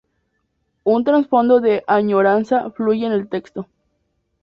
Un trasfondo de añoranza fluye en el texto.